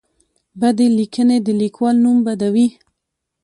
بدې لیکنې د لیکوال نوم بدوي.